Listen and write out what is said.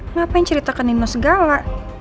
ngapain ceritakan nino segala